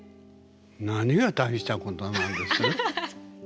何が大したことなんです？